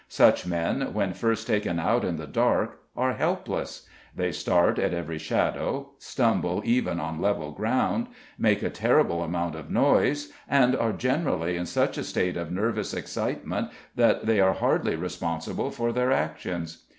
Such men, when first taken out in the dark, are helpless; they start at every shadow, stumble even on level ground, make a terrible amount of noise, and are generally in such a state of nervous excitement that they are hardly responsible for their actions.